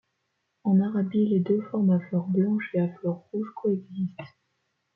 En Arabie, les deux formes à fleurs blanches et à fleurs rouges coexistent.